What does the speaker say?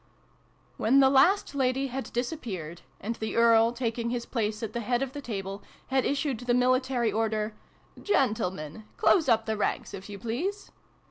WHEN the last lady had disappeared, and the Earl, taking his place at the head of the table, had issued the military order " Gentle men ! Close up the ranks, if you please